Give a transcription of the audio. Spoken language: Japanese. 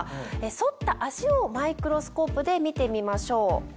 剃った脚をマイクロスコープで見てみましょう。